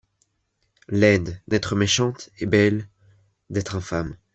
Laide, d’être méchante, et, belle, d’être infâme ;